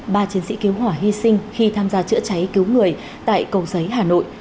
ba chiến sĩ cứu hỏa hy sinh khi tham gia chữa cháy cứu người tại cầu giấy hà nội